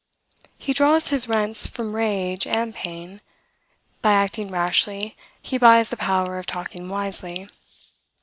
He draws his rents from rage and pain. By acting rashly, he buys the power of talking wisely.